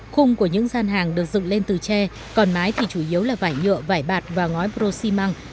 khung của những gian hàng được dựng lên từ tre còn mái thì chủ yếu là vải nhựa vải bạc và ngói bro xi măng